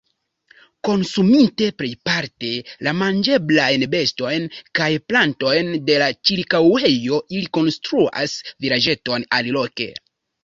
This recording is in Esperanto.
Konsuminte plejparte la manĝeblajn bestojn kaj plantojn de la ĉirkaŭejo, ili konstruas vilaĝeton aliloke.